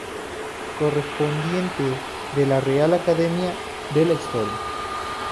Correspondiente de la Real Academia de la Historia.